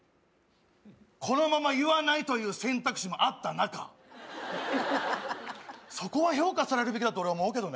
このまま言わないという選択肢もあった中、そこは評価されるべきだと俺は思うけどね。